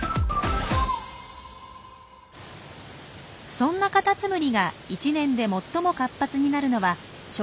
そんなカタツムリが１年で最も活発になるのはちょうど今頃。